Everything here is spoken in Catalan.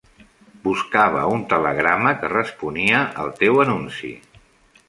Buscava un telegrama que responia el teu anunci.